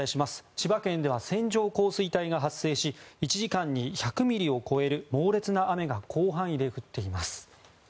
千葉県内では線状降水帯が発生し１時間に１００ミリを超える猛烈な雨が広範囲で降っています。